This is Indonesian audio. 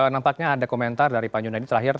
nampaknya ada komentar dari pak yunadi terakhir